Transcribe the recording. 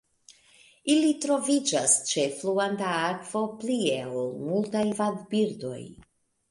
Ili troviĝas ĉe fluanta akvo plie ol multaj vadbirdoj.